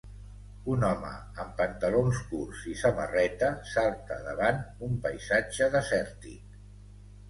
Un home en pantalons curts i samarreta salta davant un paisatge desèrtic